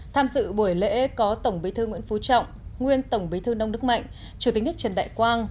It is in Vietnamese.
tham dự buổi lễ có tổng bí thư nguyễn phú trọng nguyên tổng bí thư nông đức mạnh chủ tịch nước trần đại quang